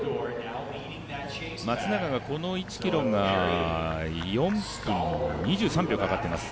松永がこの１ｋｍが４分２３秒かかってます。